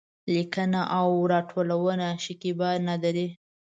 لیکنه او راټولونه: شکېبا نادري